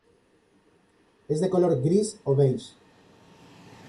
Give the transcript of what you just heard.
Es de color gris o beige.